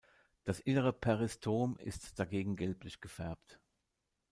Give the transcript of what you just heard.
Das innere Peristom ist dagegen gelblich gefärbt.